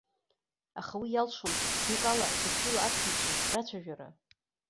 Аха уи иалшом знык ала зықьҩыла аԥхьаҩцәа рацәажәара.